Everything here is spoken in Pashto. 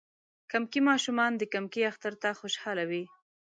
کمکي ماشومان د کمکی اختر ته خوشحاله وی.